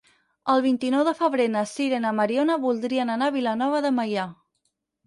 El vint-i-nou de febrer na Sira i na Mariona voldrien anar a Vilanova de Meià.